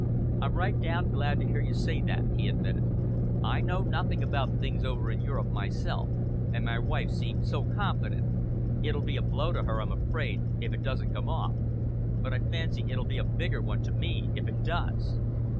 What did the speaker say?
"I'm right down glad to hear you say that," he admitted. "I know nothing about things over in Europe myself, and my wife seemed so confident. It'll be a blow to her, I'm afraid, if it doesn't come off; but I fancy it'll be a bigger one to me if it does!"